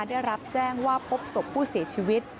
ได้รับแจ้งว่าพบศพผู้เสียชีวิต